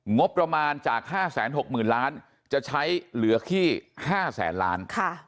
งบประมาณจาก๕๖๐๐๐ล้านจะใช้เหลือที่๕แสนล้าน